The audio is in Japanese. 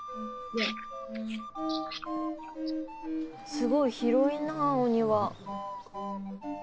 すごい広いなぁお庭。